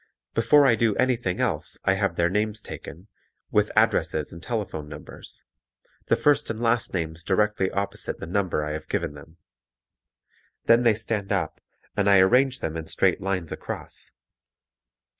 Before I do anything else I have their names taken, with addresses and telephone numbers; the first and last names directly opposite the number that I have given them. Then they stand up and I arrange them in straight lines across.